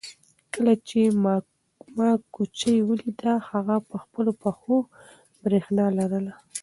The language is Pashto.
کله چې ما کوچۍ ولیده هغې په خپلو پښو کې برېښنا لرله.